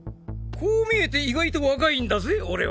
こう見えて意外と若いんだぜ俺は。